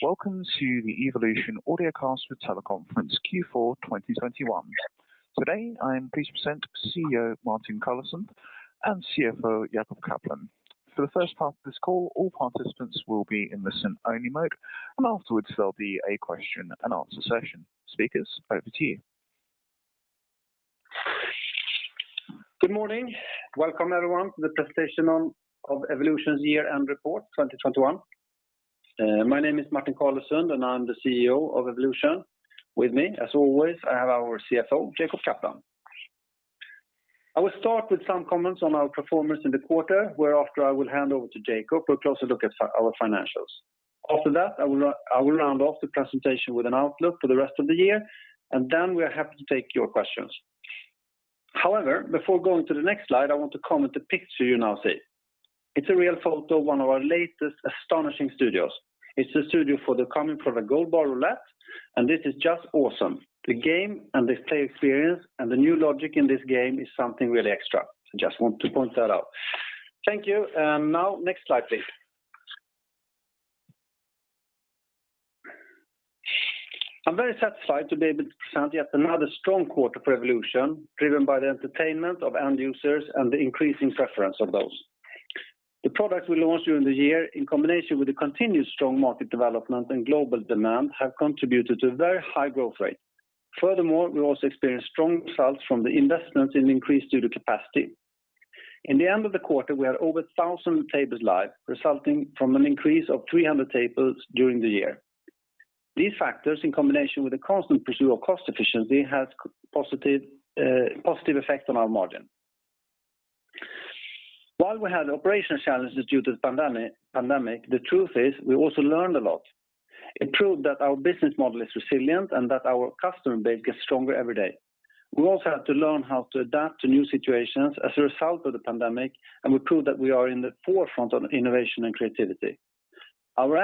Welcome to the Evolution Audio Cast for Teleconference Q4 2021. Today, I am pleased to present CEO Martin Carlesund and CFO Jacob Kaplan. For the first part of this call, all participants will be in listen-only mode, and afterwards, there'll be a question-and-answer session. Speakers, over to you. Good morning. Welcome, everyone, to the presentation of Evolution's year-end report 2021. My name is Martin Carlesund, and I'm the CEO of Evolution. With me, as always, I have our CFO, Jacob Kaplan. I will start with some comments on our performance in the quarter, where after I will hand over to Jacob for a closer look at our financials. After that, I will round off the presentation with an outlook for the rest of the year, and then we are happy to take your questions. However, before going to the next slide, I want to comment on the picture you now see. It's a real photo of one of our latest astonishing studios. It's a studio for the coming product, Gold Bar Roulette, and this is just awesome. The game and the play experience and the new logic in this game is something really extra. Just want to point that out. Thank you. Now, next slide, please. I'm very satisfied to be able to present yet another strong quarter for Evolution, driven by the entertainment of end users and the increasing preference of those. The products we launched during the year in combination with the continued strong market development and global demand have contributed to a very high growth rate. Furthermore, we also experienced strong results from the investments in increased studio capacity. In the end of the quarter, we had over 1,000 tables live, resulting from an increase of 300 tables during the year. These factors, in combination with the constant pursuit of cost efficiency, has positive effect on our margin. While we had operational challenges due to the pandemic, the truth is we also learned a lot. It proved that our business model is resilient and that our customer base gets stronger every day. We also had to learn how to adapt to new situations as a result of the pandemic, and we proved that we are in the forefront of innovation and creativity. Our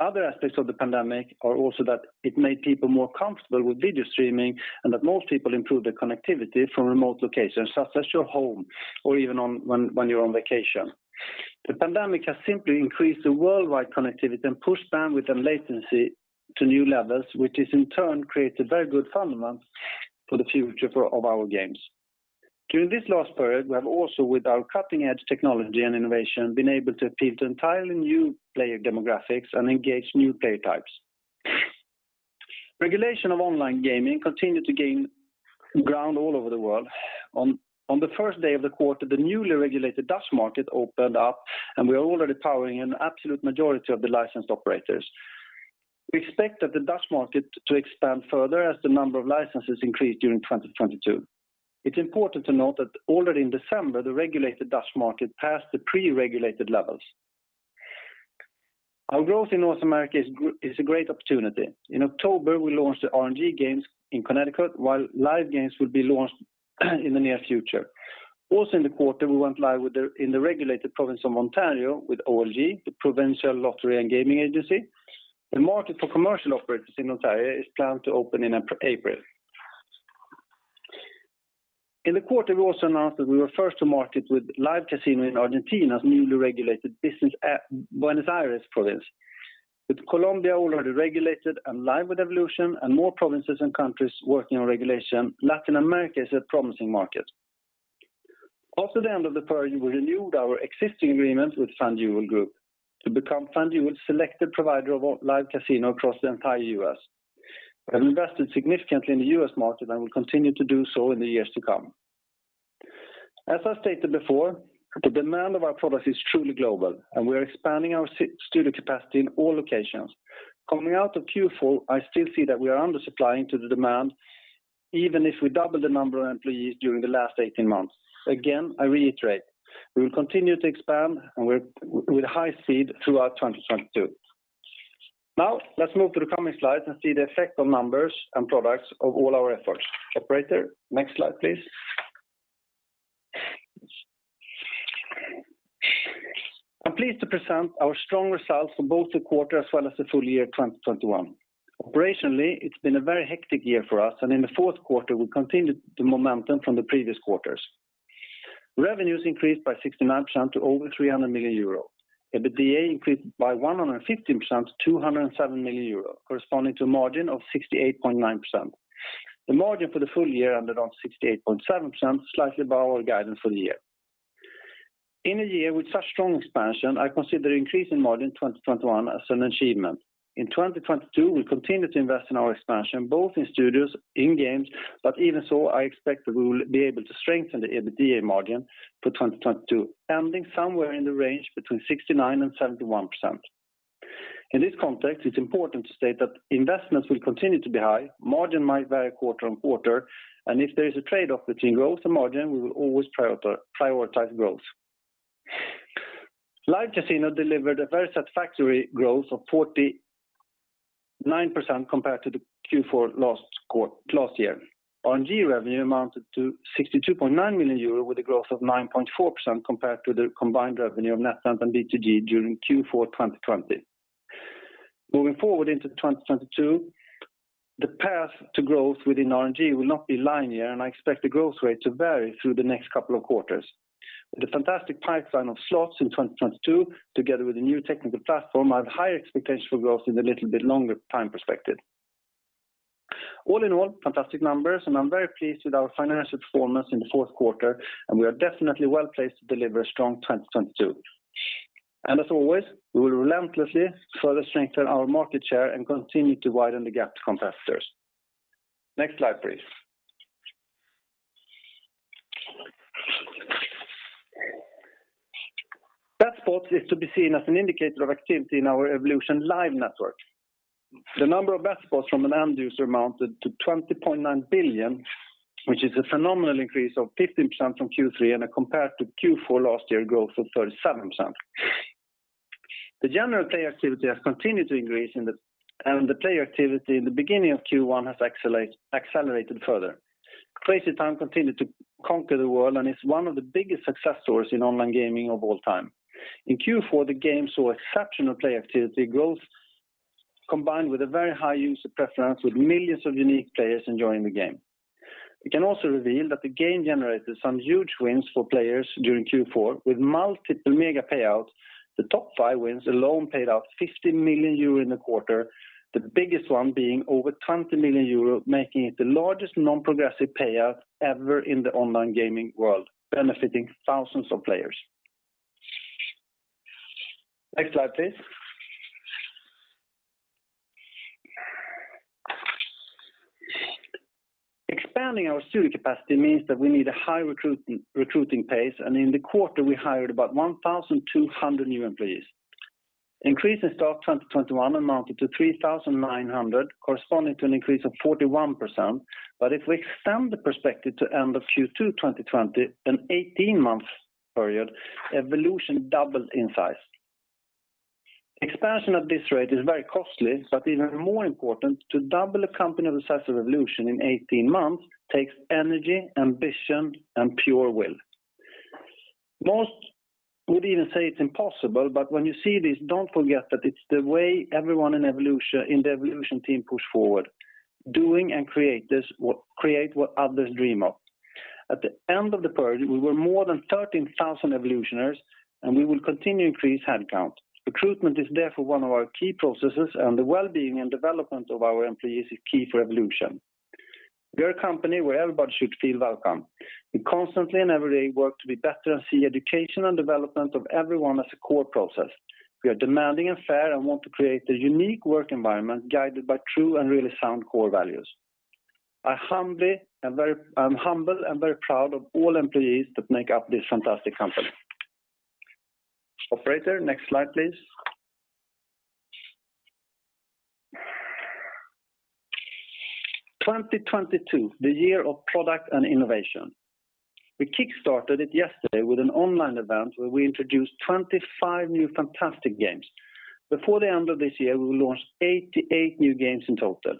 other aspects of the pandemic are also that it made people more comfortable with video streaming and that most people improved their connectivity from remote locations, such as your home or even when you're on vacation. The pandemic has simply increased the worldwide connectivity and pushed bandwidth and latency to new levels, which has in turn created very good fundamentals for the future of our games. During this last period, we have also, with our cutting-edge technology and innovation, been able to appeal to entirely new player demographics and engage new player types. Regulation of online gaming continued to gain ground all over the world. On the first day of the quarter, the newly regulated Dutch market opened up, and we are already powering an absolute majority of the licensed operators. We expect the Dutch market to expand further as the number of licenses increase during 2022. It's important to note that already in December, the regulated Dutch market passed the pre-regulated levels. Our growth in North America is a great opportunity. In October, we launched the RNG games in Connecticut while live games will be launched in the near future. Also in the quarter, we went live in the regulated province of Ontario with OLG, the Ontario Lottery and Gaming Corporation. The market for commercial operators in Ontario is planned to open in April. In the quarter, we also announced that we were first to market with Live Casino in Argentina's newly regulated business at Buenos Aires province. With Colombia already regulated and live with Evolution and more provinces and countries working on regulation, Latin America is a promising market. Also at the end of the period, we renewed our existing agreement with FanDuel Group to become FanDuel's selected provider of online Live Casino across the entire U.S. We have invested significantly in the U.S. market and will continue to do so in the years to come. As I stated before, the demand of our products is truly global, and we are expanding our studio capacity in all locations. Coming out of Q4, I still see that we are under-supplying to the demand, even if we double the number of employees during the last 18 months. Again, I reiterate, we will continue to expand and work with high speed throughout 2022. Now, let's move to the coming slides and see the effect on numbers and products of all our efforts. Operator, next slide, please. I'm pleased to present our strong results for both the quarter as well as the full year 2021. Operationally, it's been a very hectic year for us, and in the fourth quarter, we continued the momentum from the previous quarters. Revenues increased by 69% to over 300 million euros. EBITDA increased by 115% to 207 million euros, corresponding to a margin of 68.9%. The margin for the full year ended on 68.7%, slightly above our guidance for the year. In a year with such strong expansion, I consider increasing margin in 2021 as an achievement. In 2022, we continue to invest in our expansion, both in studios, in games, but even so, I expect that we will be able to strengthen the EBITDA margin for 2022, ending somewhere in the range between 69% and 71%. In this context, it's important to state that investments will continue to be high, margin might vary quarter-on-quarter, and if there is a trade-off between growth and margin, we will always prioritize growth. Live Casino delivered a very satisfactory growth of 49% compared to the Q4 last year. RNG revenue amounted to 62.9 million euro with a growth of 9.4% compared to the combined revenue of NetEnt and BTG during Q4 2020. Moving forward into 2022, the path to growth within RNG will not be linear, and I expect the growth rate to vary through the next couple of quarters. With a fantastic pipeline of slots in 2022 together with the new technical platform, I have high expectations for growth in the little bit longer time perspective. All in all, fantastic numbers, and I'm very pleased with our financial performance in the fourth quarter, and we are definitely well-placed to deliver a strong 2022. As always, we will relentlessly further strengthen our market share and continue to widen the gap to competitors. Next slide, please. Bet spots is to be seen as an indicator of activity in our Evolution live network. The number of bet spots from an end user amounted to 20.9 billion, which is a phenomenal increase of 15% from Q3 and compared to Q4 last year growth of 37%. The general player activity has continued to increase and the player activity in the beginning of Q1 has accelerated further. Crazy Time continued to conquer the world and is one of the biggest success stories in online gaming of all time. In Q4, the game saw exceptional player activity growth combined with a very high user preference with millions of unique players enjoying the game. We can also reveal that the game generated some huge wins for players during Q4 with multiple mega payouts. The top five wins alone paid out 50 million euro in the quarter, the biggest one being over 20 million euro, making it the largest non-progressive payout ever in the online gaming world, benefiting thousands of players. Next slide, please. Expanding our studio capacity means that we need a high recruiting pace, and in the quarter, we hired about 1,200 new employees. Increase in stock 2021 amounted to 3,900 corresponding to an increase of 41%. If we extend the perspective to end of Q2 2020, an 18-month period, Evolution doubled in size. Expansion at this rate is very costly, but even more important, to double a company the size of Evolution in 18 months takes energy, ambition, and pure will. Most would even say it's impossible, but when you see this, don't forget that it's the way everyone in the Evolution team pushed forward, create what others dream of. At the end of the period, we were more than 13,000 Evolutioners, and we will continue to increase headcount. Recruitment is therefore one of our key processes, and the well-being and development of our employees is key for Evolution. We're a company where everybody should feel welcome. We constantly and every day work to be better and see education and development of everyone as a core process. We are demanding and fair and want to create a unique work environment guided by true and really sound core values. I'm humble and very proud of all employees that make up this fantastic company. Operator, next slide, please. 2022, the year of product and innovation. We kick-started it yesterday with an online event where we introduced 25 new fantastic games. Before the end of this year, we will launch 88 new games in total.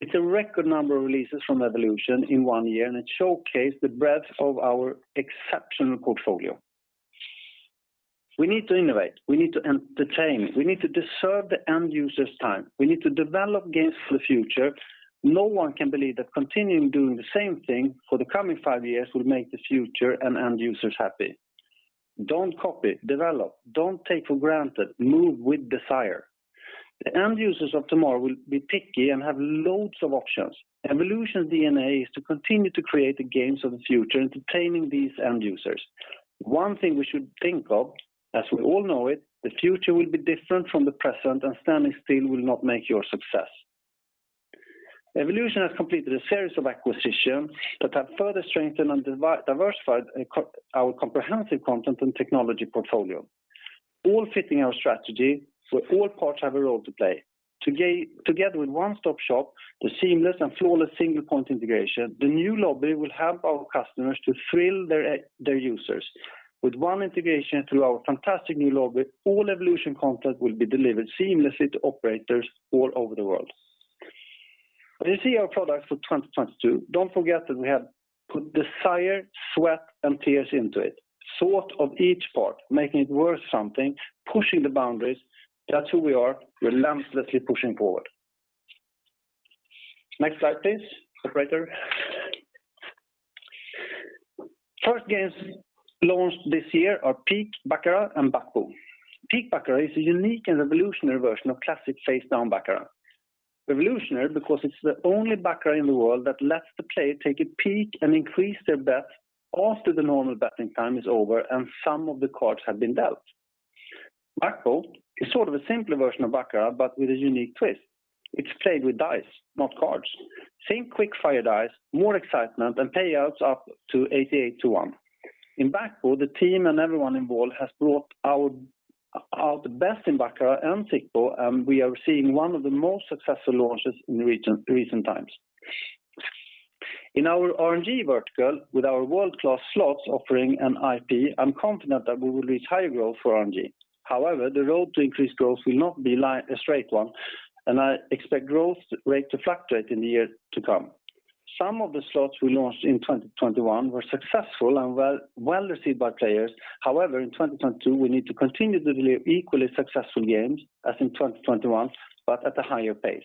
It's a record number of releases from Evolution in one year, and it showcased the breadth of our exceptional portfolio. We need to innovate, we need to entertain, we need to deserve the end user's time. We need to develop games for the future. No one can believe that continuing doing the same thing for the coming five years will make the future and end users happy. Don't copy, develop. Don't take for granted. Move with desire. The end users of tomorrow will be picky and have loads of options. Evolution's DNA is to continue to create the games of the future, entertaining these end users. One thing we should think of, as we all know it, the future will be different from the present, and standing still will not make your success. Evolution has completed a series of acquisitions that have further strengthened and diversified our comprehensive content and technology portfolio, all fitting our strategy, where all parts have a role to play. Together with one-stop shop, the seamless and flawless single-point integration, the new lobby will help our customers to thrill their users. With one integration through our fantastic new lobby, all Evolution content will be delivered seamlessly to operators all over the world. When you see our products for 2022, don't forget that we have put desire, sweat, and tears into it. Thought of each part, making it worth something, pushing the boundaries. That's who we are, relentlessly pushing forward. Next slide, please, operator. First games launched this year are Peek Baccarat and Bac Bo. Peek Baccarat is a unique and revolutionary version of classic face-down Baccarat. Revolutionary because it's the only Baccarat in the world that lets the player take a peek and increase their bet after the normal betting time is over and some of the cards have been dealt. Bac Bo is sort of a simpler version of Baccarat, but with a unique twist. It's played with dice, not cards. Think quick-fire dice, more excitement, and payouts up to 88 to one. In Bac Bo, the team and everyone involved has brought out the best in Baccarat and Sic Bo, and we are seeing one of the most successful launches in recent times. In our RNG vertical, with our world-class slots offering an IP, I'm confident that we will reach higher growth for RNG. However, the road to increased growth will not be a straight one, and I expect growth rate to fluctuate in the year to come. Some of the slots we launched in 2021 were successful and well received by players. However, in 2021, we need to continue to deliver equally successful games as in 2021, but at a higher pace.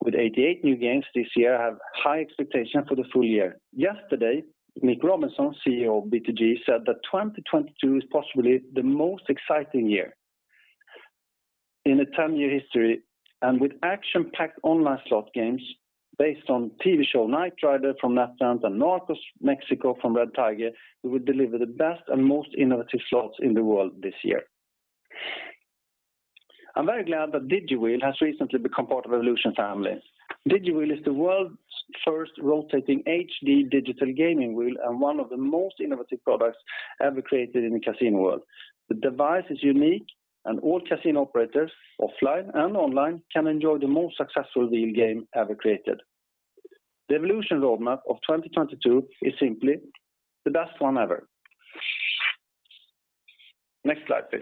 With 88 new games this year, I have high expectations for the full year. Yesterday, Nik Robinson, CEO of BTG, said that 2022 is possibly the most exciting year in a 10-year history. With action-packed online slot games based on TV show Knight Rider from NetEnt and Narcos Mexico from Red Tiger, we will deliver the best and most innovative slots in the world this year. I'm very glad that DigiWheel has recently become part of Evolution family. DigiWheel is the world's first rotating HD digital gaming wheel and one of the most innovative products ever created in the casino world. The device is unique, and all casino operators, offline and online, can enjoy the most successful wheel game ever created. The Evolution roadmap of 2022 is simply the best one ever. Next slide, please.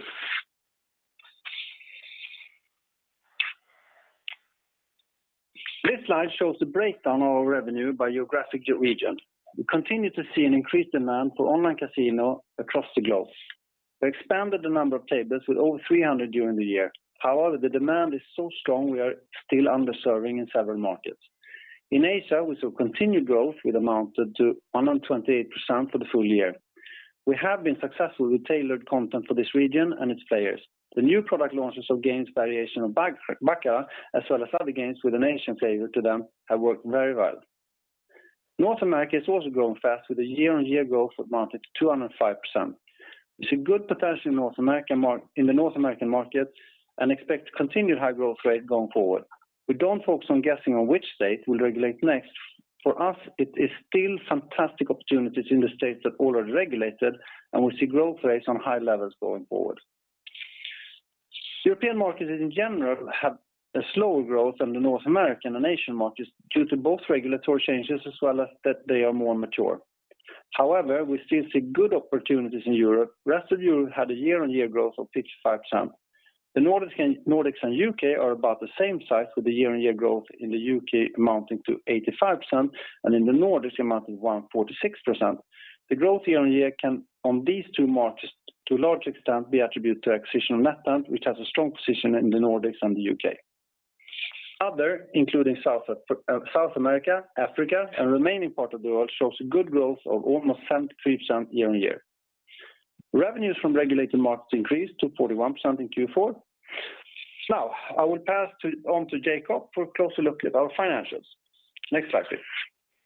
This slide shows the breakdown of our revenue by geographic region. We continue to see an increased demand for online casino across the globe. We expanded the number of tables with over 300 during the year. However, the demand is so strong we are still underserving in several markets. In Asia, we saw continued growth which amounted to 128% for the full year. We have been successful with tailored content for this region and its players. The new product launches, game variations of Baccarat, as well as other games with an Asian flavor to them, have worked very well. North America is also growing fast with a year-on-year growth amounted to 205%. We see good potential in North America in the North American market and expect continued high growth rate going forward. We don't focus on guessing on which state will regulate next. For us, it is still fantastic opportunities in the states that already regulated, and we see growth rates on high levels going forward. European markets in general have a slower growth than the North American and Asian markets due to both regulatory changes as well as that they are more mature. However, we still see good opportunities in Europe. Rest of Europe had a year-on-year growth of 55%. The Nordics and UK are about the same size with the year-on-year growth in the UK amounting to 85% and in the Nordics amounting to 146%. The growth year-on-year can, on these two markets, to a large extent be attributed to acquisition of NetEnt, which has a strong position in the Nordics and the UK. Other, including South America, Africa, and remaining part of the world, shows good growth of almost 7% year-on-year. Revenues from regulated markets increased to 41% in Q4. Now, I will pass on to Jacob for a closer look at our financials. Next slide, please.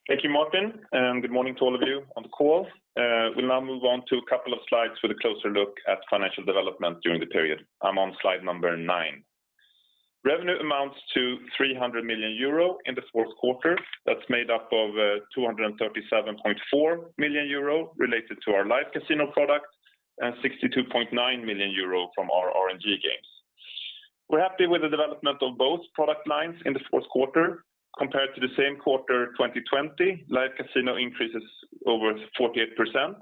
Thank you, Martin, and good morning to all of you on the call. We'll now move on to a couple of slides with a closer look at financial development during the period. I'm on slide number nine. Revenue amounts to 300 million euro in the fourth quarter. That's made up of 237.4 million euro related to our Live Casino product and 62.9 million euro from our RNG games. We're happy with the development of both product lines in the fourth quarter. Compared to the same quarter 2020, Live Casino increases over 48%.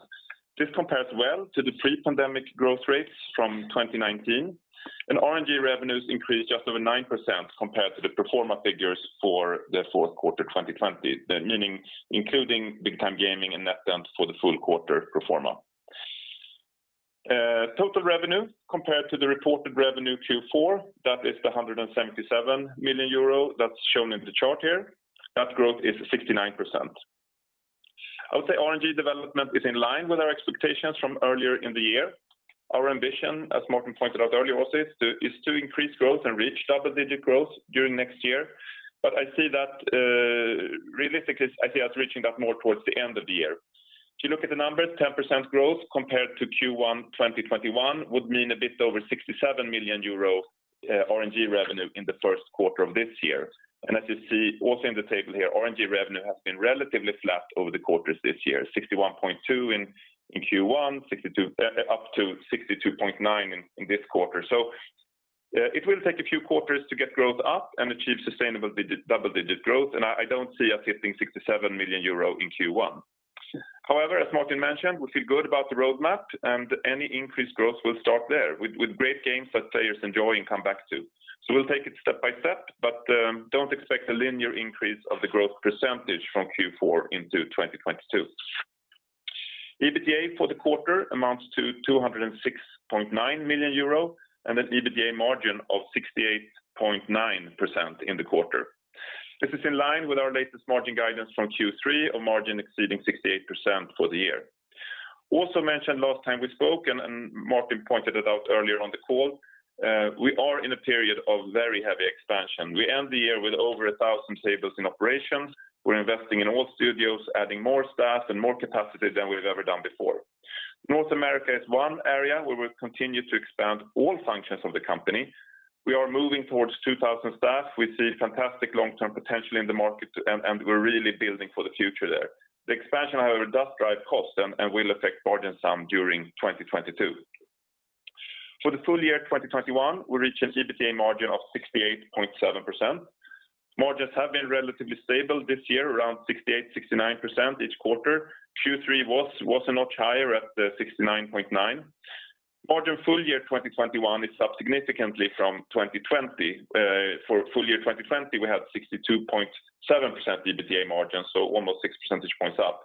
This compares well to the pre-pandemic growth rates from 2019. RNG revenues increased just over 9% compared to the pro forma figures for the fourth quarter 2020, including Big Time Gaming and NetEnt for the full quarter pro forma. Total revenue compared to the reported revenue Q4, that is 177 million euro that's shown in the chart here. That growth is 69%. I would say RNG development is in line with our expectations from earlier in the year. Our ambition, as Martin pointed out earlier also, is to increase growth and reach double-digit growth during next year. I see that, realistically, I see us reaching that more towards the end of the year. If you look at the numbers, 10% growth compared to Q1 2021 would mean a bit over 67 million euro RNG revenue in the first quarter of this year. As you see also in the table here, RNG revenue has been relatively flat over the quarters this year, 61.2 million in Q1, 62.9million in this quarter. It will take a few quarters to get growth up and achieve sustainable double-digit growth, and I don't see us hitting 67 million euro in Q1. However, as Martin mentioned, we feel good about the roadmap, and any increased growth will start there with great games that players enjoy and come back to. We'll take it step by step, but don't expect a linear increase of the growth percentage from Q4 into 2022. EBITDA for the quarter amounts to 206.9 million euro and an EBITDA margin of 68.9% in the quarter. This is in line with our latest margin guidance from Q3 of margin exceeding 68% for the year. Also mentioned last time we spoke, and Martin pointed it out earlier on the call, we are in a period of very heavy expansion. We end the year with over 1,000 tables in operations. We're investing in all studios, adding more staff and more capacity than we've ever done before. North America is one area where we've continued to expand all functions of the company. We are moving towards 2,000 staff. We see fantastic long-term potential in the market, and we're really building for the future there. The expansion, however, does drive costs and will affect margin some during 2022. For the full year 2021, we reached an EBITDA margin of 68.7%. Margins have been relatively stable this year, around 68%-69% each quarter. Q3 was a notch higher at 69.9%. Margin full year 2021 is up significantly from 2020. For full year 2020, we had 62.7% EBITDA margin, so almost 6 percentage points up.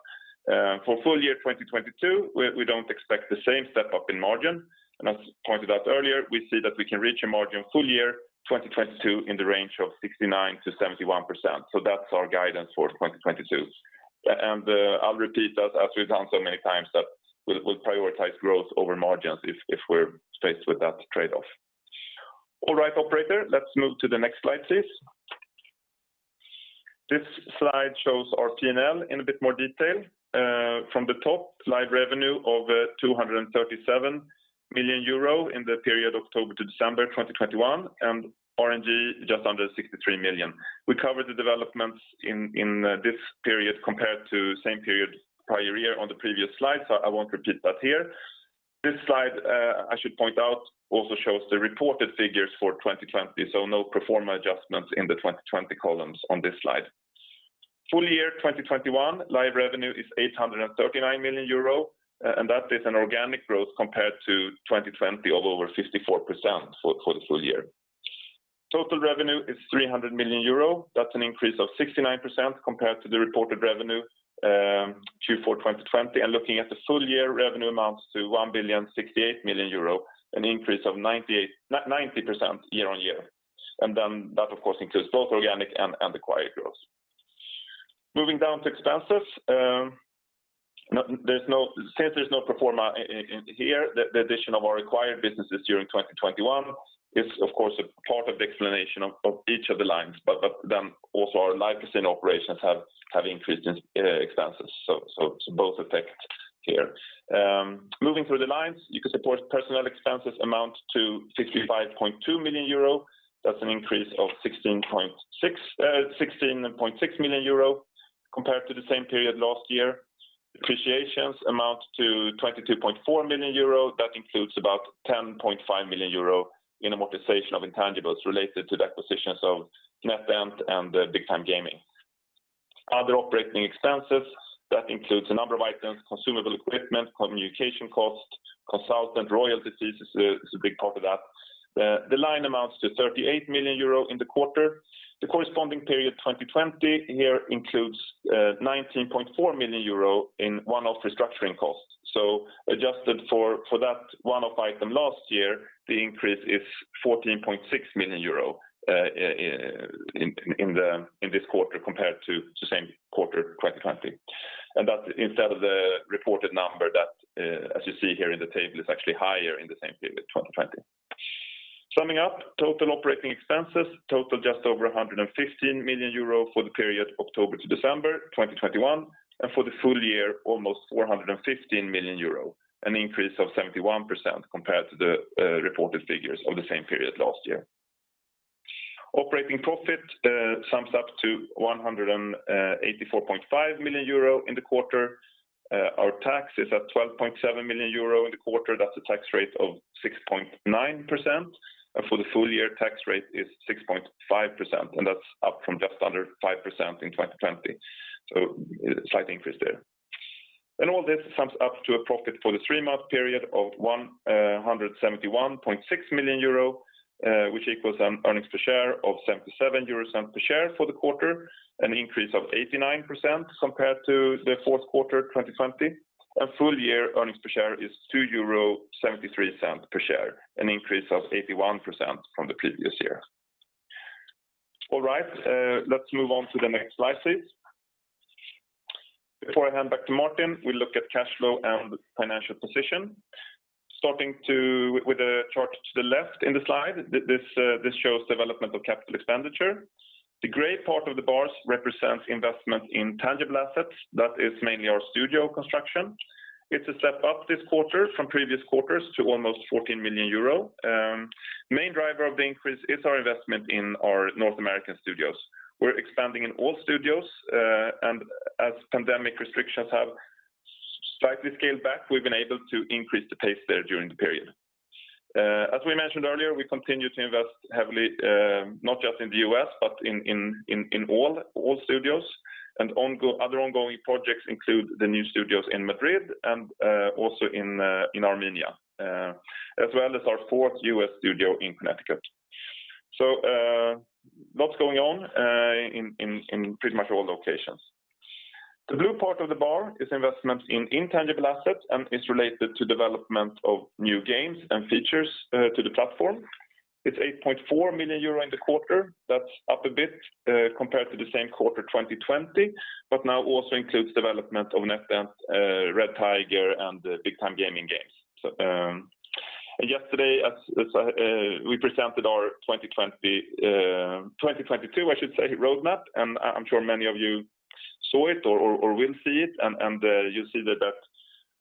For full year 2022, we don't expect the same step-up in margin. As pointed out earlier, we see that we can reach a margin full year 2022 in the range of 69%-71%. That's our guidance for 2022. I'll repeat that, as we've done so many times, that we'll prioritize growth over margins if we're faced with that trade-off. All right, operator, let's move to the next slide, please. This slide shows our P&L in a bit more detail. From the top, live revenue of 237 million euro in the period October to December 2021, and RNG just under 63 million. We covered the developments in this period compared to same period prior year on the previous slide, so I won't repeat that here. This slide, I should point out, also shows the reported figures for 2020, so no pro forma adjustments in the 2020 columns on this slide. Full year 2021, live revenue is 839 million euro, and that is an organic growth compared to 2020 of over 54% for the full year. Total revenue is 300 million euro. That's an increase of 69% compared to the reported revenue, Q4 2020. Looking at the full year revenue amounts to 1.068 billion, an increase of 90% year-on-year. Then that, of course, includes both organic and acquired growth. Moving down to expenses, since there's no pro forma in here, the addition of our acquired businesses during 2021 is of course a part of the explanation of each of the lines, but then also our Nyxian operations have increased in expenses, so both affect here. Moving through the lines, support personnel expenses amount to 65.2 million euro. That's an increase of 16.6 million euro compared to the same period last year. Depreciations amount to 22.4 million euro. That includes about 10.5 million euro in amortization of intangibles related to the acquisitions of NetEnt and Big Time Gaming. Other operating expenses, that includes a number of items, consumable equipment, communication costs, consultant royalty fees, is a big part of that. The line amounts to 38 million euro in the quarter. The corresponding period, 2020, here includes 19.4 million euro in one-off restructuring costs. Adjusted for that one-off item last year, the increase is 14.6 million euro in this quarter compared to the same quarter 2020. That's instead of the reported number that, as you see here in the table, is actually higher in the same period, 2020. Summing up, total operating expenses total just over 115 million euro for the period October to December 2021, and for the full year, almost 415 million euro, an increase of 71% compared to the reported figures of the same period last year. Operating profit sums up to 184.5 million euro in the quarter. Our tax is at 12.7 million euro in the quarter. That's a tax rate of 6.9%. For the full year, tax rate is 6.5%, and that's up from just under 5% in 2020. A slight increase there. All this sums up to a profit for the three-month period of 171.6 million euro, which equals an earnings per share of 0.77 euros per share for the quarter, an increase of 89% compared to the fourth quarter 2020. Full year earnings per share is 2.73 euro per share, an increase of 81% from the previous year. All right, let's move on to the next slide, please. Before I hand back to Martin, we look at cash flow and financial position. Starting with the chart to the left in the slide, this shows development of capital expenditure. The gray part of the bars represents investment in tangible assets. That is mainly our studio construction. It's a step up this quarter from previous quarters to almost 14 million euro. Main driver of the increase is our investment in our North American studios. We're expanding in all studios, and as pandemic restrictions have slightly scaled back, we've been able to increase the pace there during the period. As we mentioned earlier, we continue to invest heavily, not just in the U.S., but in all studios. Ongoing projects include the new studios in Madrid and also in Armenia, as well as our fourth U.S. studio in Connecticut. Lots going on in pretty much all locations. The blue part of the bar is investments in intangible assets and is related to development of new games and features to the platform. It's 8.4 million euro in the quarter. That's up a bit, compared to the same quarter 2020, but now also includes development of NetEnt, Red Tiger, and the Big Time Gaming games. Yesterday, we presented our 2022, I should say, roadmap. I'm sure many of you saw it or will see it and you'll see that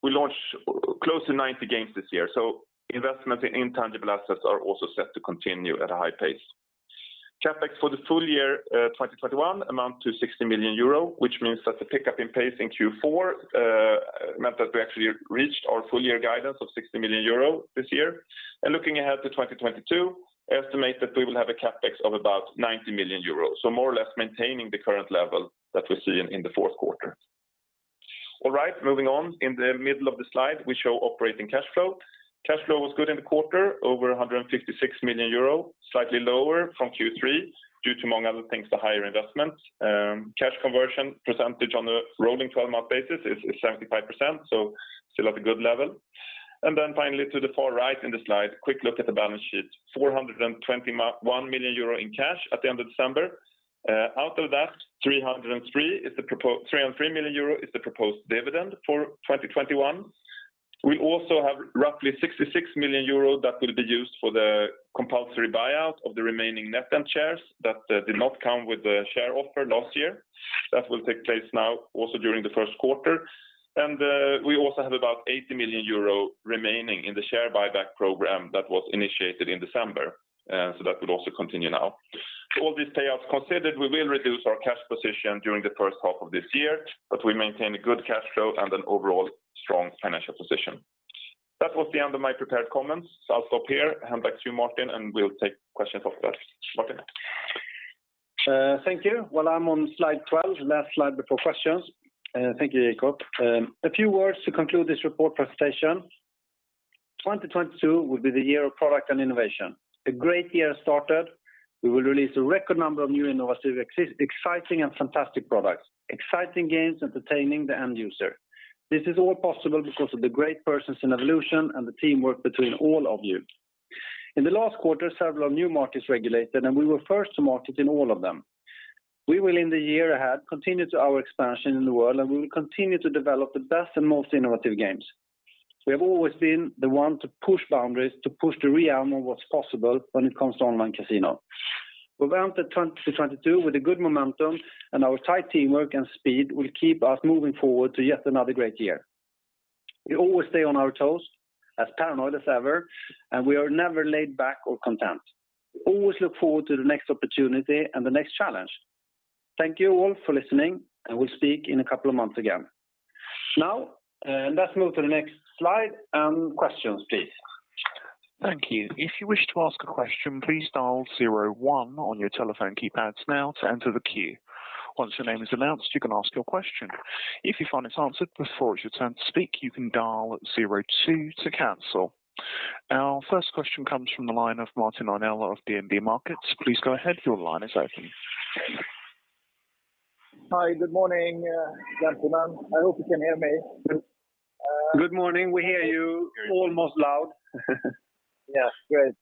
we launched close to 90 games this year. Investments in intangible assets are also set to continue at a high pace. CapEx for the full year 2021 amount to 60 million euro, which means that the pickup in pace in Q4 meant that we actually reached our full-year guidance of 60 million euro this year. Looking ahead to 2022, I estimate that we will have a CapEx of about 90 million euro. more or less maintaining the current level that we see in the fourth quarter. All right, moving on. In the middle of the slide, we show operating cash flow. Cash flow was good in the quarter, over 156 million euro, slightly lower from Q3 due to, among other things, the higher investments. Cash conversion percentage on the rolling 12-month basis is 75%, so still at a good level. Finally to the far right in the slide, quick look at the balance sheet. 421 million euro in cash at the end of December. Out of that, 303 million euro is the proposed dividend for 2021. We also have roughly 66 million euro that will be used for the compulsory buyout of the remaining NetEnt shares that did not come with the share offer last year. That will take place now also during the first quarter. We also have about 80 million euro remaining in the share buyback program that was initiated in December. That will also continue now. All these payouts considered, we will reduce our cash position during the first half of this year, but we maintain a good cash flow and an overall strong financial position. That was the end of my prepared comments. I'll stop here, hand back to you, Martin, and we'll take questions after. Martin? Thank you. Well, I'm on slide 12, last slide before questions. Thank you, Jacob. A few words to conclude this report presentation. 2022 will be the year of product and innovation. A great year started. We will release a record number of new innovative exciting and fantastic products, exciting games entertaining the end user. This is all possible because of the great persons in Evolution and the teamwork between all of you. In the last quarter, several new markets regulated, and we were first to market in all of them. We will in the year ahead continue to our expansion in the world, and we will continue to develop the best and most innovative games. We have always been the one to push boundaries, to push the realm of what's possible when it comes to online casino. We've entered 2022 with a good momentum, and our tight teamwork and speed will keep us moving forward to yet another great year. We always stay on our toes, as paranoid as ever, and we are never laid back or content. We always look forward to the next opportunity and the next challenge. Thank you all for listening, and we'll speak in a couple of months again. Now, let's move to the next slide and questions, please. Thank you. If you wish to ask a question, please dial zero one on your telephone keypads now to enter the queue. Once your name is announced, you can ask your question. If you find it's answered before it's your turn to speak, you can dial zero two to cancel. Our first question comes from the line of Martin Arnell of DNB Markets. Please go ahead. Your line is open. Hi. Good morning, gentlemen. I hope you can hear me. Good morning. We hear you almost loud. Yeah, great.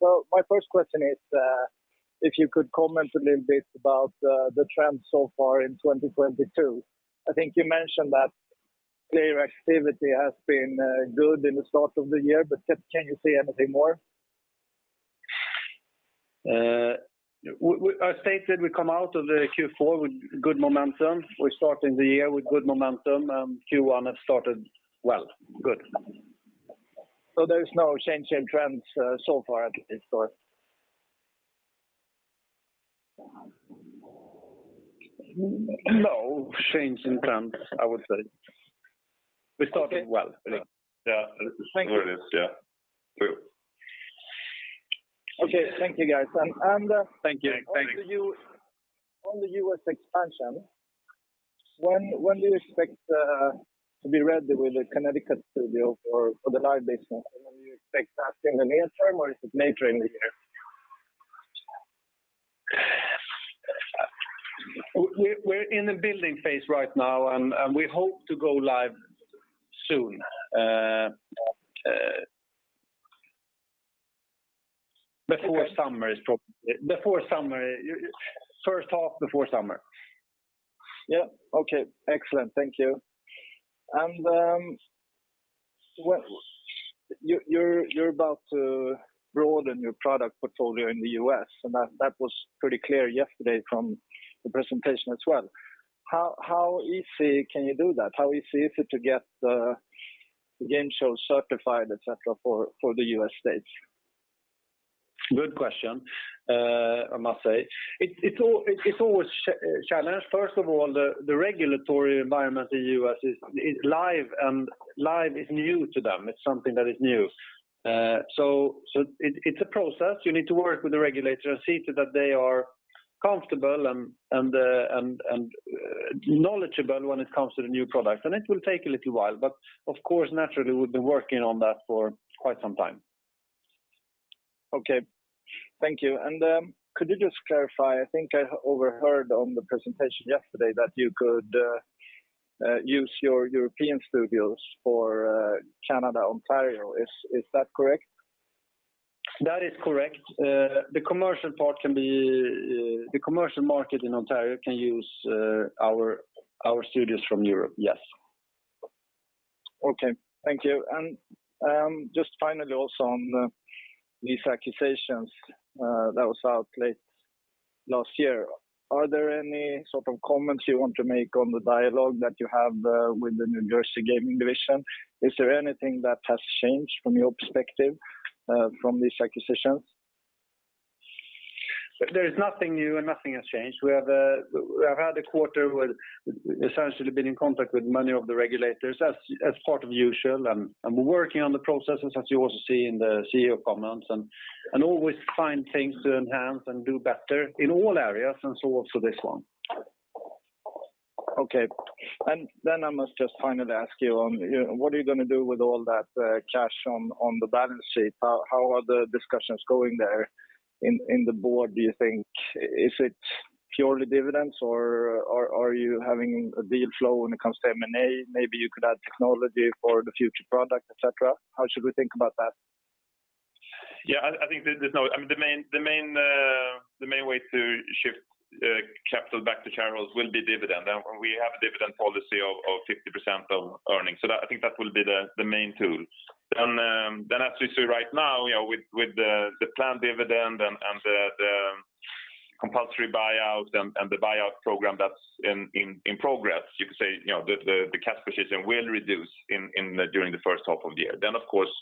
My first question is, if you could comment a little bit about the trends so far in 2022. I think you mentioned that player activity has been good in the start of the year, but can you say anything more? I stated we come out of the Q4 with good momentum. We're starting the year with good momentum, and Q1 has started well. Good. There's no change in trends so far at this point? No change in trends, I would say. Okay. We're starting well. Yeah. Thank you. It is, yeah. True. Okay. Thank you, guys. Thank you. Thanks. On the U.S. expansion, when do you expect to be ready with the Connecticut studio for the Live Casino? When do you expect that in the near term, or is it later in the year? We're in the building phase right now, and we hope to go live soon. Before summer is probably. Okay. Before summer. First half before summer. Yeah. Okay. Excellent. Thank you. Well, you're about to broaden your product portfolio in the U.S., and that was pretty clear yesterday from the presentation as well. How easy can you do that? How easy is it to get game shows certified, et cetera, for the U.S. states? Good question, I must say. It's always a challenge. First of all, the regulatory environment in the U.S. is live, and live is new to them. It's something that is new. It's a process. You need to work with the regulator and see to it that they are comfortable and knowledgeable when it comes to the new product. It will take a little while, but of course, naturally, we've been working on that for quite some time. Okay. Thank you. Could you just clarify, I think I overheard on the presentation yesterday that you could use your European studios for Canada, Ontario. Is that correct? That is correct. The commercial market in Ontario can use our studios from Europe, yes. Okay. Thank you. Just finally also on these acquisitions that was out late last year. Are there any sort of comments you want to make on the dialogue that you have with the New Jersey Division of Gaming Enforcement? Is there anything that has changed from your perspective from these acquisitions? There is nothing new, and nothing has changed. We have had a quarter where essentially we've been in contact with many of the regulators as part of usual, and we're working on the processes as you also see in the CEO comments, and we always find things to enhance and do better in all areas, and so also this one. Okay. I must just finally ask you on, you know, what are you gonna do with all that cash on the balance sheet? How are the discussions going there in the board, do you think? Is it purely dividends or are you having a deal flow when it comes to M&A? Maybe you could add technology for the future product, et cetera. How should we think about that? Yeah, I think I mean, the main way to shift capital back to shareholders will be dividend. We have a dividend policy of 50% of earnings. I think that will be the main tool. As we see right now, you know, with the planned dividend and the compulsory buyout and the buyout program that's in progress, you could say, you know, the cash position will reduce during the first half of the year. Of course,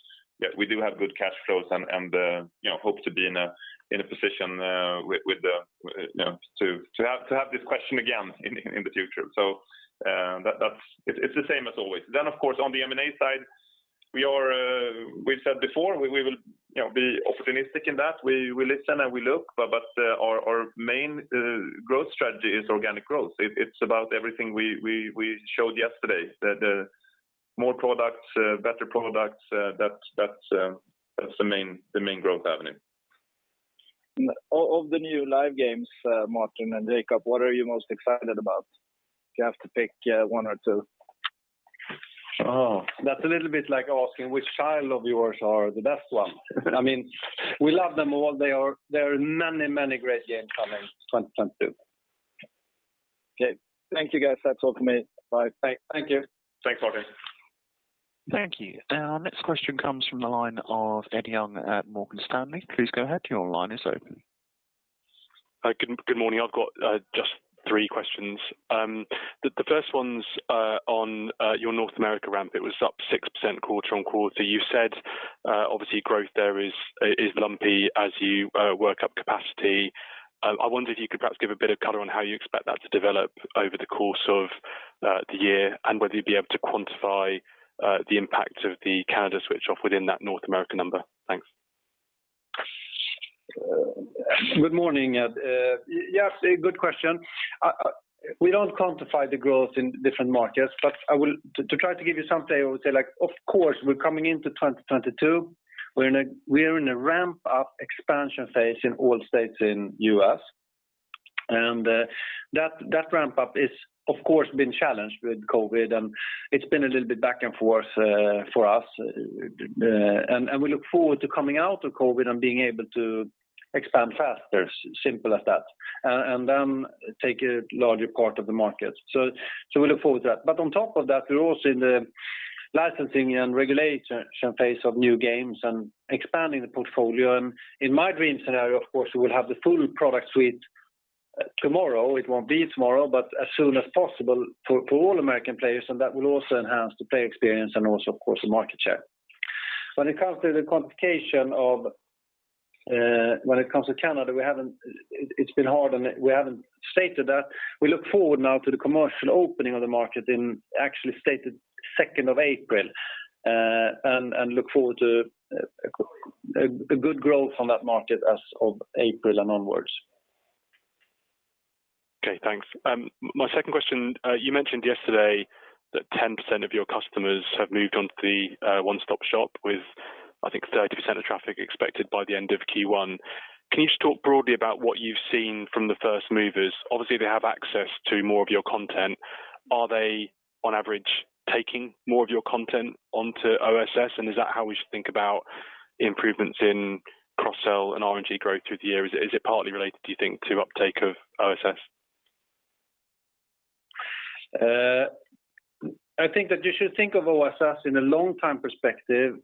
yeah, we do have good cash flows and, you know, hope to be in a position with the, you know, to have this question again in the future. That's the same as always. Of course on the M&A side, we've said before we will, you know, be opportunistic in that. We listen and we look, but our main growth strategy is organic growth. It's about everything we showed yesterday. The more products, better products, that's the main growth avenue. Of the new live games, Martin and Jacob, what are you most excited about? If you have to pick, one or two? Oh, that's a little bit like asking which child of yours are the best one. I mean, we love them all. There are many, many great games coming 2022. Okay. Thank you guys. That's all for me. Bye. Thank you. Thanks, Martin. Thank you. Our next question comes from the line of Ed Young at Morgan Stanley. Please go ahead. Your line is open. Hi. Good morning. I've got just three questions. The first one's on your North America ramp. It was up 6% quarter-on-quarter. You've said, obviously growth there is lumpy as you work up capacity. I wonder if you could perhaps give a bit of color on how you expect that to develop over the course of the year and whether you'd be able to quantify the impact of the Canada switch off within that North America number. Thanks. Good morning, Ed. Yes, a good question. We don't quantify the growth in different markets, but to try to give you something, I would say like, of course, we're coming into 2022. We're in a ramp-up expansion phase in all states in the U.S. That ramp-up is of course being challenged with COVID, and it's been a little bit back and forth for us. We look forward to coming out of COVID and being able to expand faster, simple as that, then take a larger part of the market. We look forward to that. On top of that, we're also in the licensing and regulation phase of new games and expanding the portfolio. In my dream scenario, of course, we will have the full product suite tomorrow. It won't be tomorrow, but as soon as possible for all American players, and that will also enhance the player experience and also of course the market share. When it comes to Canada, we haven't. It's been hard and we haven't stated that. We look forward now to the commercial opening of the market in actually the second of April, and look forward to a good growth on that market as of April and onwards. Okay, thanks. My second question, you mentioned yesterday that 10% of your customers have moved onto the one-stop shop with, I think 30% of traffic expected by the end of Q1. Can you just talk broadly about what you've seen from the first movers? Obviously, they have access to more of your content. Are they on average taking more of your content onto OSS? And is that how we should think about improvements in cross-sell and RNG growth through the year? Is it partly related, do you think, to uptake of OSS? I think that you should think of OSS in a long-term perspective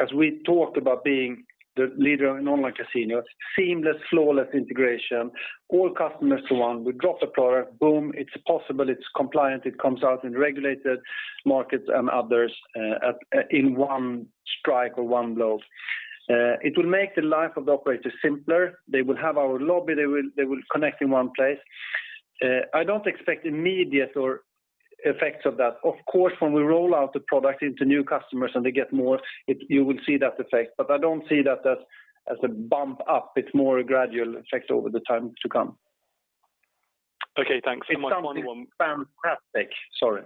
as we talked about being the leader in online casinos, seamless, flawless integration, all customers to one. We drop the product, boom, it's possible, it's compliant, it comes out in regulated markets and others, in one strike or one blow. It will make the life of the operator simpler. They will have our lobby. They will connect in one place. I don't expect immediate effects of that. Of course, when we roll out the product into new customers and they get more, you will see that effect. But I don't see that as a bump up. It's more a gradual effect over the time to come. Okay, thanks. My final one- It's something fantastic. Sorry.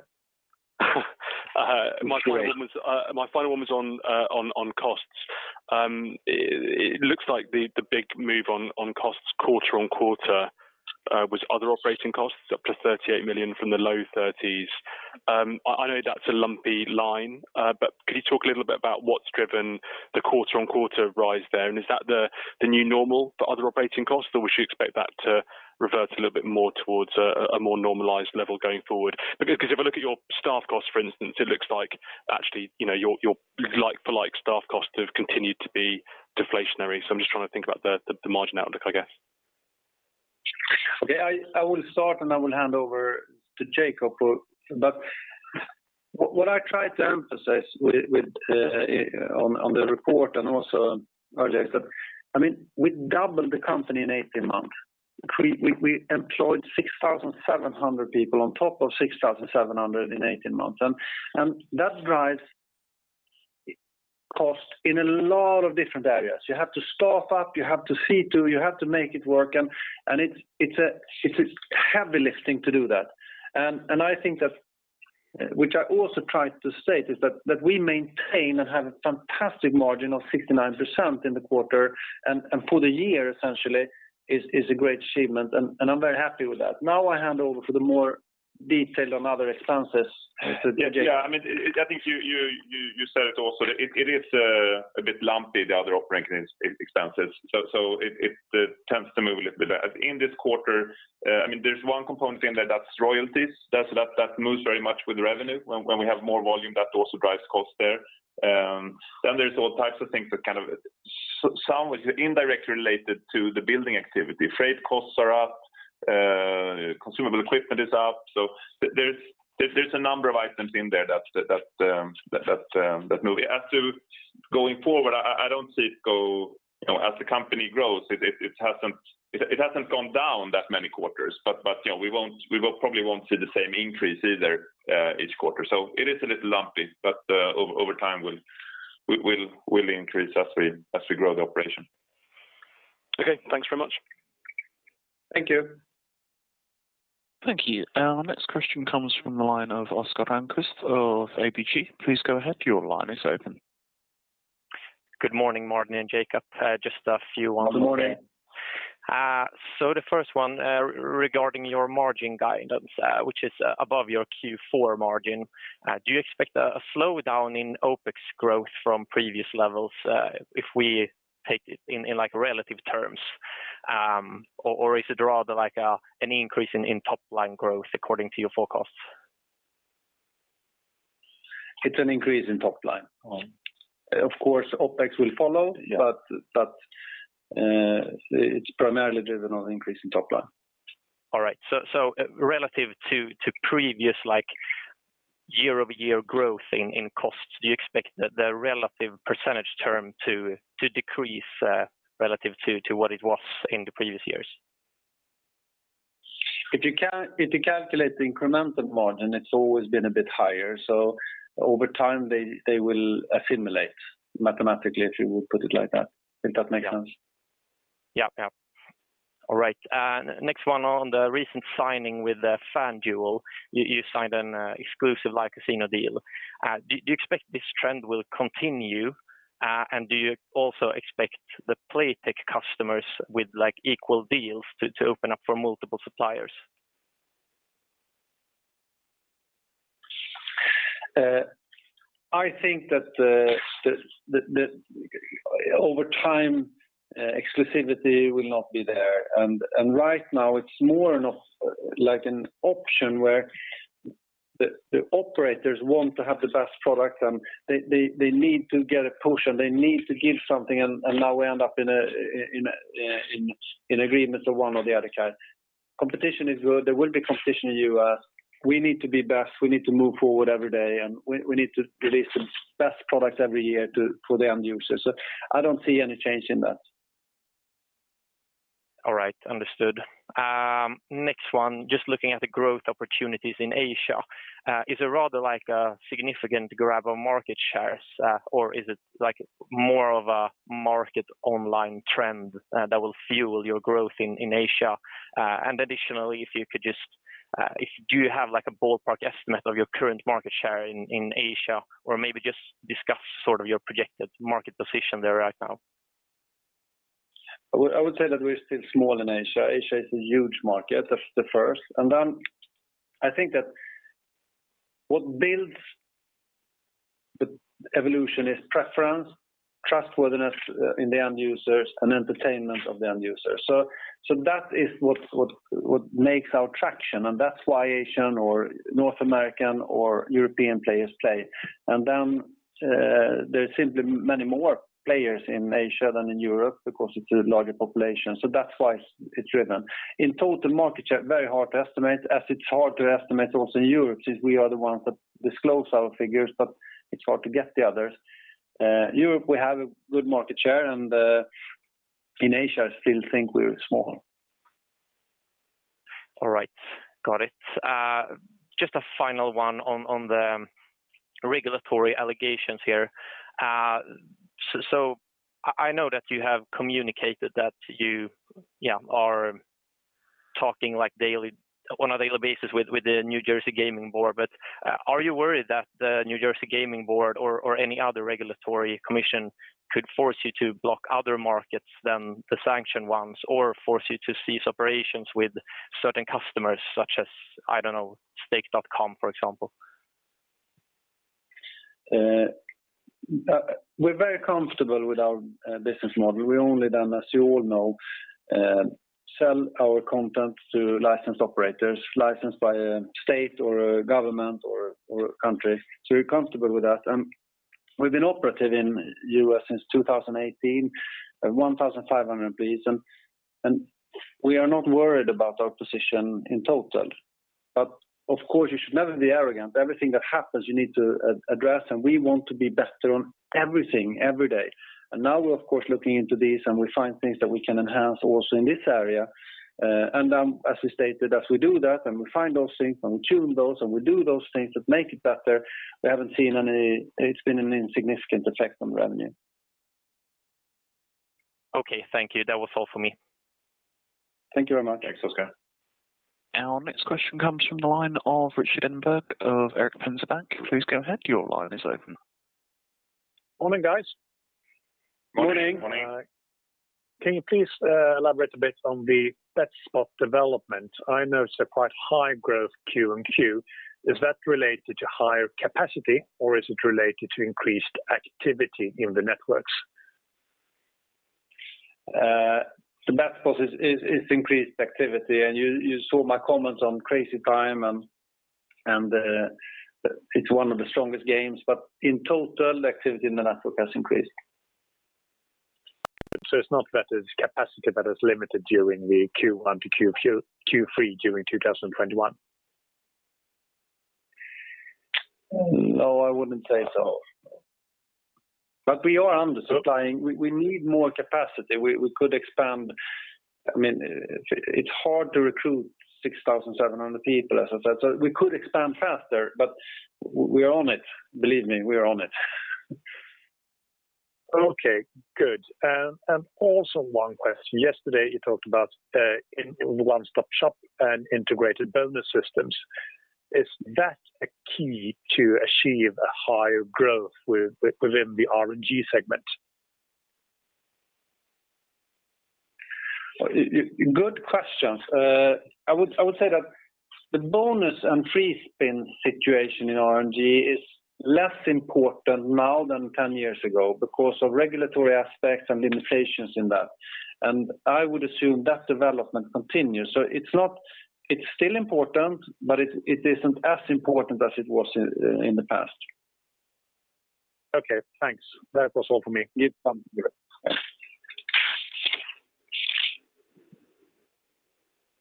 My final one was. Sorry. My final one was on costs. It looks like the big move on costs quarter-over-quarter was other operating costs up to 38 million from the low 30s. I know that's a lumpy line. But could you talk a little bit about what's driven the quarter-over-quarter rise there? Is that the new normal for other operating costs? Or should we expect that to revert a little bit more towards a more normalized level going forward? Because if I look at your staff costs, for instance, it looks like actually, you know, your like-for-like staff costs have continued to be deflationary. So I'm just trying to think about the margin outlook, I guess. Okay. I will start and I will hand over to Jacob. What I tried to emphasize with the report and also earlier is that, I mean, we doubled the company in 18 months. We employed 6,700 people on top of 6,700 in 18 months. That drives cost in a lot of different areas. You have to staff up, you have to see to, you have to make it work. It's a heavy lifting to do that. I think that, which I also tried to state, is that we maintain and have a fantastic margin of 69% in the quarter and for the year essentially is a great achievement, and I'm very happy with that. Now I hand over for the more detail on other expenses to Jacob. Yeah. I mean, I think you said it also. It is a bit lumpy, the other operating expenses. It tends to move a little bit. In this quarter, I mean, there's one component in there that's royalties. That moves very much with revenue. When we have more volume, that also drives costs there. Then there's all types of things that kind of some which are indirectly related to the building activity. Freight costs are up, consumable equipment is up. There's a number of items in there that move. As to going forward, I don't see it go, you know, as the company grows, it hasn't gone down that many quarters. You know, we will probably won't see the same increase either each quarter. It is a little lumpy, but over time will increase as we grow the operation. Okay, thanks very much. Thank you. Thank you. Our next question comes from the line of Oscar Rönnkvist of ABG Sundal Collier. Please go ahead, your line is open. Good morning, Martin and Jacob. Just a few on- Good morning. Yeah. The first one, regarding your margin guidance, which is above your Q4 margin, do you expect a slowdown in OpEx growth from previous levels, if we take it in like relative terms? Or is it rather like an increase in top line growth according to your forecast? It's an increase in top line. Oh. Of course, OpEx will follow. Yeah. It's primarily driven by an increase in top line. All right. Relative to previous like year-over-year growth in costs, do you expect the relative percentage term to decrease relative to what it was in the previous years? If you calculate the incremental margin, it's always been a bit higher. Over time they will assimilate mathematically, if you would put it like that. If that makes sense. Next one on the recent signing with FanDuel. You signed an exclusive, like, casino deal. Do you expect this trend will continue? And do you also expect the Playtech customers with like equal deals to open up for multiple suppliers? I think that the over time exclusivity will not be there. Right now it's more of an option where the operators want to have the best product and they need to get a portion, they need to give something. Now we end up in agreements of one or the other kind. Competition is good. There will be competition in U.S. We need to be best. We need to move forward every day, and we need to release the best products every year for the end users. I don't see any change in that. All right. Understood. Next one, just looking at the growth opportunities in Asia, is it rather like a significant grab of market shares? Or is it like more of a market online trend that will fuel your growth in Asia? And additionally, if you could just, do you have like a ballpark estimate of your current market share in Asia? Or maybe just discuss sort of your projected market position there right now. I would say that we're still small in Asia. Asia is a huge market, that's the first. I think that what builds the Evolution is preference, trustworthiness in the end users and entertainment of the end user. That is what makes our traction, and that's why Asian or North American or European players play. There's simply many more players in Asia than in Europe because it's a larger population. That's why it's driven. In total market share, very hard to estimate as it's hard to estimate also in Europe since we are the ones that disclose our figures, but it's hard to get the others. Europe, we have a good market share, and in Asia I still think we're small. All right. Got it. Just a final one on the regulatory allegations here. So I know that you, yeah, are talking like daily, on a daily basis with the New Jersey Division of Gaming Enforcement. Are you worried that the New Jersey Division of Gaming Enforcement or any other regulatory commission could force you to block other markets than the sanctioned ones, or force you to cease operations with certain customers such as, I don't know, stake.com, for example? We're very comfortable with our business model. We only then, as you all know, sell our content to licensed operators, licensed by a state or a government or a country. We're comfortable with that. We've been operating in U.S. since 2018, have 1,500 employees, and we are not worried about our position in total. Of course, you should never be arrogant. Everything that happens, you need to address, and we want to be better on everything, every day. Now we're of course looking into this, and we find things that we can enhance also in this area. As we stated, as we do that and we find those things and we tune those and we do those things that make it better, it's been an insignificant effect on revenue. Okay. Thank you. That was all for me. Thank you very much. Thanks, Oscar. Our next question comes from the line of Rikard Engberg of Erik Penser Bank. Please go ahead. Your line is open. Morning, guys. Morning. Morning. Can you please elaborate a bit on the bet spots development? I know it's a quite high growth quarter-over-quarter. Is that related to higher capacity or is it related to increased activity in the networks? The bet spots is increased activity. You saw my comments on Crazy Time and it's one of the strongest games. In total, activity in the network has increased. It's not that it's capacity that is limited during the Q1 to Q2, Q3 during 2021? No, I wouldn't say so. We are undersupplying. We need more capacity. We could expand. I mean, it's hard to recruit 6,700 people, as I said. We could expand faster, but we are on it. Believe me, we are on it. Okay, good. Also one question. Yesterday, you talked about in the one-stop shop and integrated bonus systems. Is that a key to achieve a higher growth within the RNG segment? Good questions. I would say that the bonus and free spin situation in RNG is less important now than 10 years ago because of regulatory aspects and limitations in that. I would assume that development continues. It's still important, but it isn't as important as it was in the past. Okay, thanks. That was all for me. You good.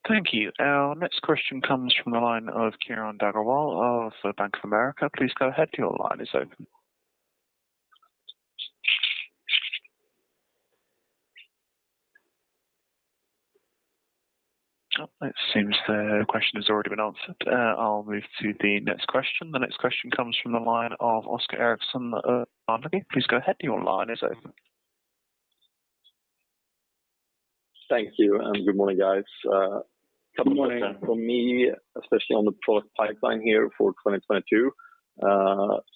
Thank you. Our next question comes from the line of Kiranjot Grewal of Bank of America. Please go ahead. Your line is open. Oh, it seems the question has already been answered. I'll move to the next question. The next question comes from the line of Oscar Rönnkvist of ABG Sundal Collier. Please go ahead. Your line is open. Thank you, and good morning, guys. Couple of questions from me, especially on the product pipeline here for 2022.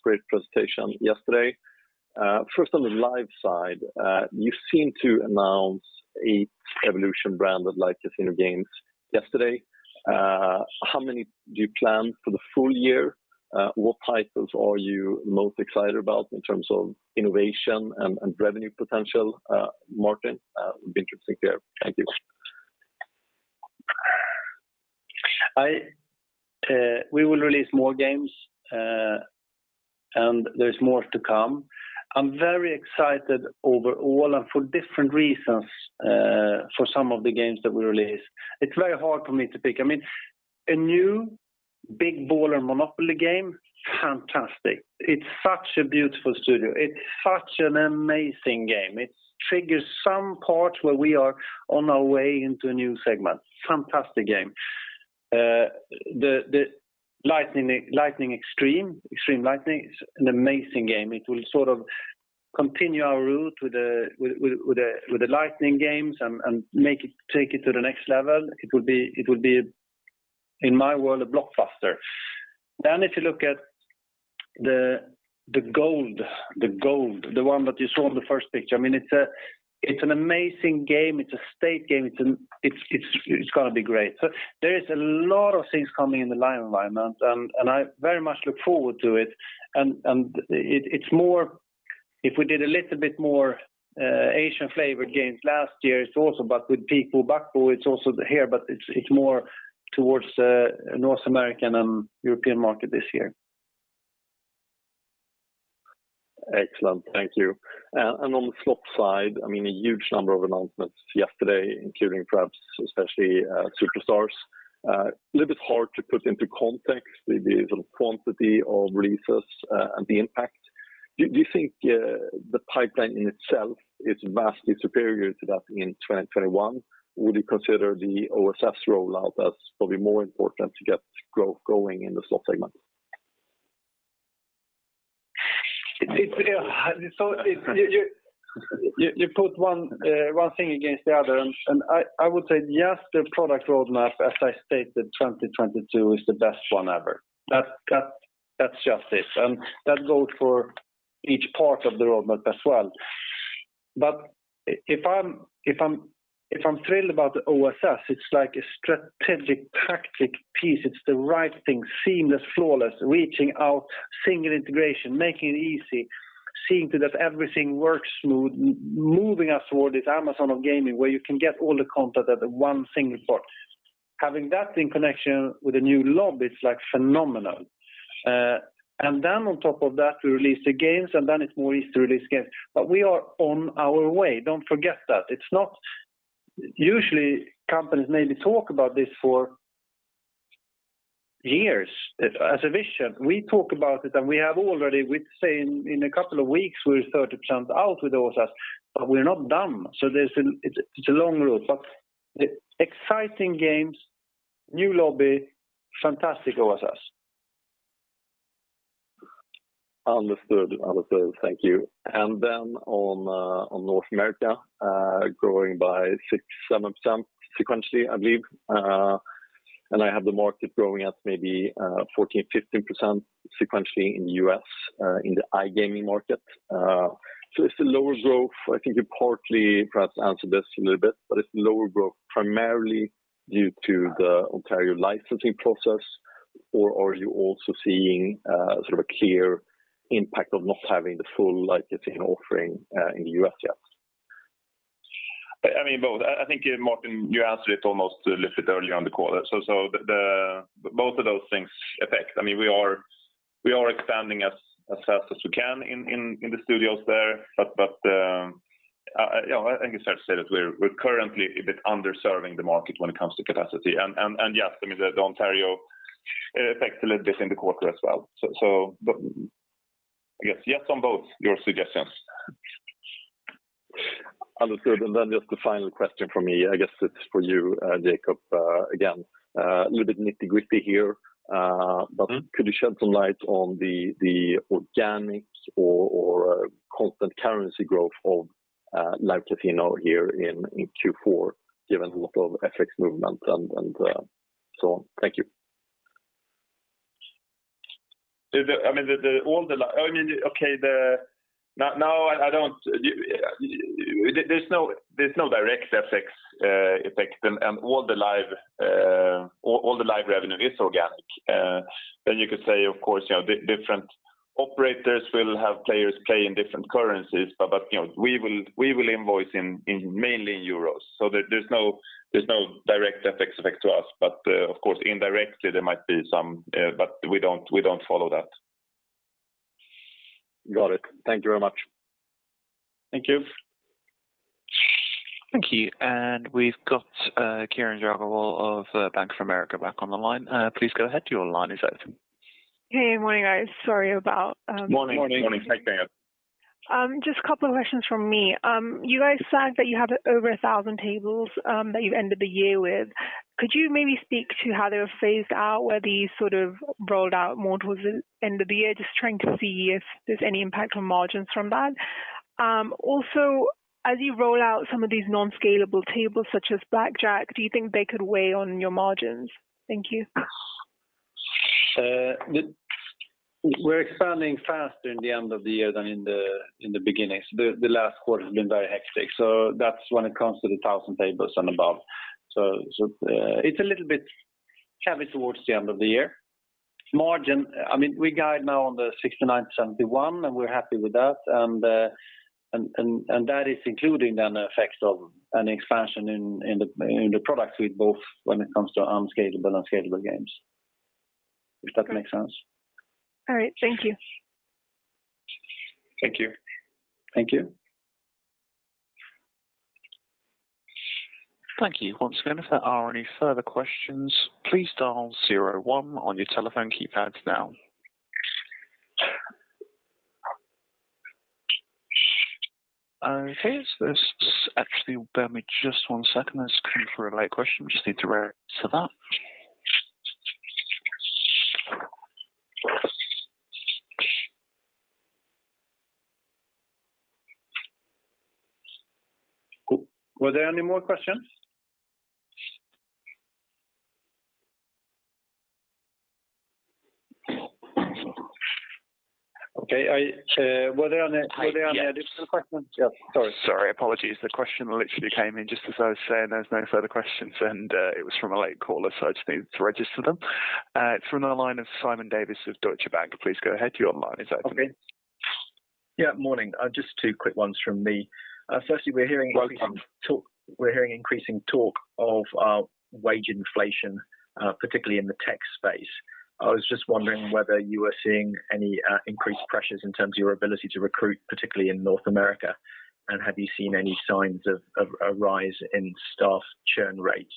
Great presentation yesterday. First on the live side, you seem to announce Evolution-branded live casino games yesterday. How many do you plan for the full year? What titles are you most excited about in terms of innovation and revenue potential, Martin? It would be interesting to hear. Thank you. We will release more games, and there's more to come. I'm very excited overall and for different reasons for some of the games that we release. It's very hard for me to pick. I mean, a new Big Baller MONOPOLY game, fantastic. It's such a beautiful studio. It's such an amazing game. It triggers some part where we are on our way into a new segment. Fantastic game. The XXXtreme Lightning Roulette is an amazing game. It will sort of continue our route with the lightning games and make it take it to the next level. It will be, in my world, a blockbuster. Then if you look at the Gold Bar Roulette, the one that you saw in the first picture, I mean, it's an amazing game. It's a state game. It's gonna be great. There is a lot of things coming in the live environment, and I very much look forward to it. It, it's more if we did a little bit more Asian flavored games last year, it's also, but with Peek Baccarat, it's also here, but it's more towards North American and European market this year. Excellent. Thank you. I mean, on the slot side, a huge number of announcements yesterday, including perhaps especially, Superstars. A little bit hard to put into context the quantity of releases and the impact. Do you think the pipeline in itself is vastly superior to that in 2021? Would you consider the OSS rollout as probably more important to get growing in the slot segment? You put one thing against the other. I would say, yes, the product roadmap, as I stated, 2022 is the best one ever. That's just it. That goes for each part of the roadmap as well. If I'm thrilled about the OSS, it's like a strategic tactic piece. It's the right thing, seamless, flawless, reaching out, single integration, making it easy, seeing to that everything works smooth, moving us toward this Amazon of gaming, where you can get all the content at the one single spot. Having that in connection with a new lobby, it's like phenomenal. Then on top of that, we release the games, and then it's more easy to release games. We are on our way, don't forget that. Usually companies maybe talk about this for years as a vision. We talk about it, and we have already. We'd say in a couple of weeks, we're 30% out with OSS, but we're not done. There's a long road. The exciting games, new lobby, fantastic OSS. Understood. Thank you. On North America, growing by 6%-7% sequentially, I believe. I have the market growing at maybe 14%-15% sequentially in U.S., in the iGaming market. It's the lower growth. I think you partly perhaps answered this a little bit, but it's lower growth primarily due to the Ontario licensing process, or are you also seeing sort of a clear impact of not having the full licensing offering in the U.S. yet? I mean, both. I think, Martin, you answered it almost a little bit earlier on the call. Both of those things affect. I mean, we are expanding as fast as we can in the studios there. Yeah, I think it's fair to say that we're currently a bit underserving the market when it comes to capacity. Yes, I mean, the Ontario affects a little bit in the quarter as well. Yes. Yes, on both your suggestions. Understood. Just the final question from me. I guess it's for you, Jacob, again. A little bit nitty-gritty here. Mm-hmm. Could you shed some light on the organic or constant currency growth of Live Casino here in Q4, given a lot of FX movement and so on? Thank you. I mean, there's no direct FX effect. All the live revenue is organic. You could say, of course, you know, different operators will have players play in different currencies. You know, we will invoice mainly in euros. There's no direct FX effect to us. Of course, indirectly there might be some, but we don't follow that. Got it. Thank you very much. Thank you. Thank you. We've got Kiranjot Grewal of Bank of America back on the line. Please go ahead. Your line is open. Hey, morning, guys. Sorry about, Morning. Morning. Morning. Just a couple of questions from me. You guys said that you have over 1,000 tables that you ended the year with. Could you maybe speak to how they were phased in, whether you sort of rolled out more towards the end of the year? Just trying to see if there's any impact on margins from that. Also, as you roll out some of these non-scalable tables such as blackjack, do you think they could weigh on your margins? Thank you. We're expanding faster in the end of the year than in the beginning. The last quarter has been very hectic. That's when it comes to the 1,000 tables and above. It's a little bit heavy towards the end of the year. The margin, I mean, we guide now on the 69%-71%, and we're happy with that. That is including the effects of an expansion in the product suite, both when it comes to non-scalable and scalable games. If that makes sense. All right. Thank you. Thank you. Thank you. Thank you. Once again, if there are any further questions, please dial zero one on your telephone keypads now. Okay. Actually, bear with me just one second. There's come through a late question. Just need to register that. Were there any more questions? Okay. Were there any additional questions? Yes. Yeah, sorry. Sorry, apologies. The question literally came in just as I was saying there's no further questions, and it was from a late caller, so I just needed to register them. It's from the line of Simon Davies of Deutsche Bank. Please go ahead. Your line is open. Okay. Yeah, morning. Just two quick ones from me. Firstly, we're hearing increasing- Welcome. We're hearing increasing talk of wage inflation, particularly in the tech space. I was just wondering whether you were seeing any increased pressures in terms of your ability to recruit, particularly in North America. Have you seen any signs of a rise in staff churn rates?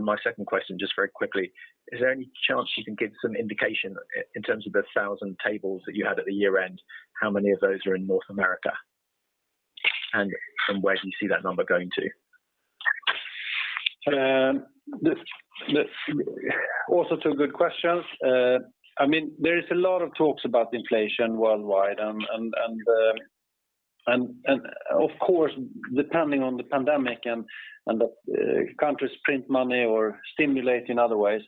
My second question, just very quickly, is there any chance you can give some indication in terms of the 1,000 tables that you had at the year-end, how many of those are in North America? Where do you see that number going to? Also two good questions. I mean, there is a lot of talks about inflation worldwide and of course, depending on the pandemic and the countries print money or stimulate in other ways,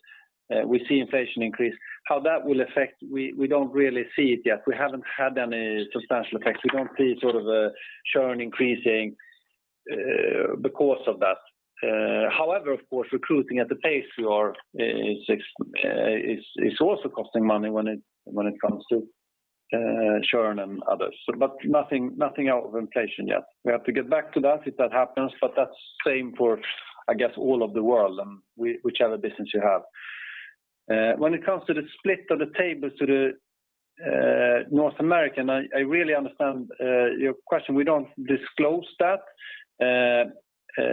we see inflation increase. How that will affect, we don't really see it yet. We haven't had any substantial effects. We don't see sort of a churn increasing because of that. However, of course, recruiting at the pace we are is also costing money when it comes to churn and others. Nothing out of inflation yet. We have to get back to that if that happens, but that's same for, I guess, all of the world and whichever business you have. When it comes to the split of the tables to the North American, I really understand your question. We don't disclose that.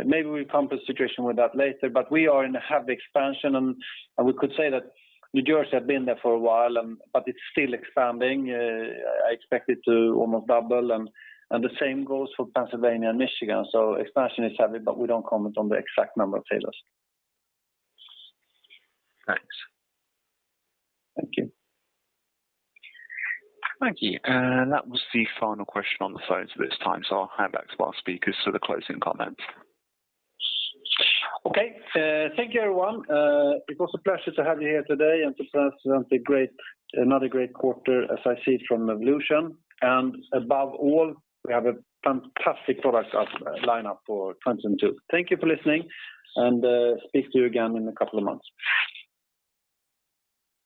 Maybe we'll come to a situation with that later. We are in a heavy expansion and we could say that New Jersey have been there for a while but it's still expanding. I expect it to almost double and the same goes for Pennsylvania and Michigan. Expansion is heavy, but we don't comment on the exact number of tables. Thanks. Thank you. Thank you. That was the final question on the phone for this time, so I'll hand back to our speakers for the closing comments. Okay. Thank you, everyone. It was a pleasure to have you here today and to present another great quarter as I see it from Evolution. Above all, we have a fantastic product lineup for 2022. Thank you for listening and speak to you again in a couple of months.